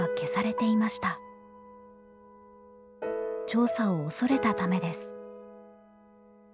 調査を恐れたためです。